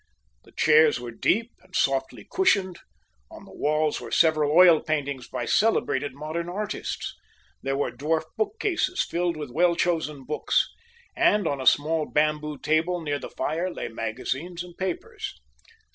The chairs were deep, and softly cushioned; on the walls were several oil paintings by celebrated modern artists; there were dwarf bookcases filled with well chosen books, and on a small bamboo table near the fire lay magazines and papers.